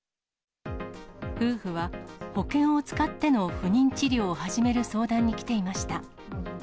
夫婦は保険を使っての不妊治療を始める相談に来ていました。